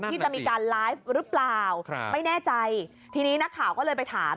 ที่จะมีการไลฟ์หรือเปล่าครับไม่แน่ใจทีนี้นักข่าวก็เลยไปถาม